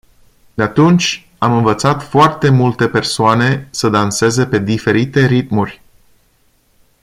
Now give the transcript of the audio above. De atunci, am învățat foarte multe persoane să danseze pe diferite ritmuri.